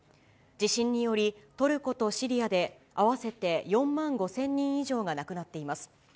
地震によりトルコとシリアで合わせて４万５０００人以上が亡くなっています。